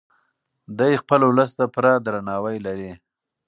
دی خپل ولس ته پوره درناوی لري.